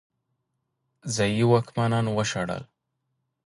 ځايي واکمنان وشړل.